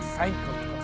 rasain kau juga